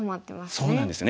そうなんですね。